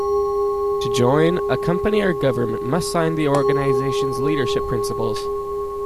To join, a company or government must sign the organization's leadership principles.